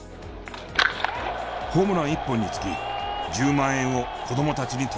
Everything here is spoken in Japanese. ホームラン１本につき１０万円を子どもたちに届ける。